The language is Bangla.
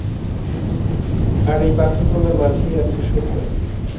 আর এই পাথরগুলোর মাঝেই আছে সত্য।